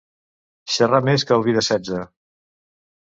Xerrar més que el vi de setze.